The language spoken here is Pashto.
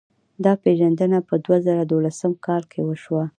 دا پېژندنه په دوه زره دولسم کال کې وشوه.